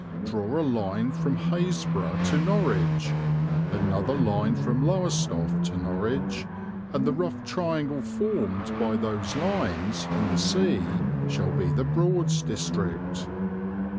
Draw a line from Happisburgh to Norwich, another line from Lowestoft to Norwich, and the rough triangle formed by those lines and the sea shall be the Broads District.